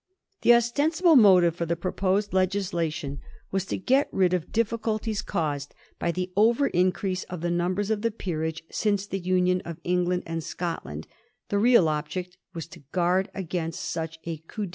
The ostensible motive for the proposed legislation was to get rid of Digiti zed by Google 1719. THE PEERAGE BILL. 229 difficultieB caused by the over increase of the numbers of the peerage since the union of England and Scot land ; the real object was to guard against such a coup d!